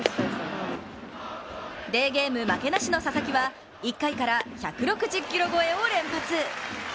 デーゲーム負けなしの佐々木は１回から１６０キロ超えを連発。